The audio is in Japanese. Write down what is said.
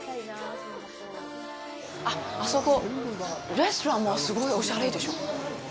あっ、あそこ、レストランもすごいオシャレでしょ？